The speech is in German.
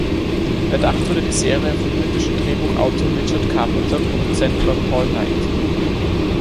Erdacht wurde die Serie vom britischen Drehbuchautor Richard Carpenter; Produzent war Paul Knight.